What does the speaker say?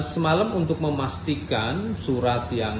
semalam untuk memastikan surat yang